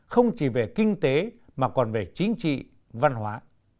không chỉ về kinh tế mà còn về chính trị văn hóa